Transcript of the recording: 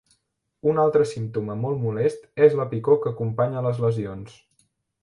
Un altre símptoma molt molest és la picor que acompanya a les lesions.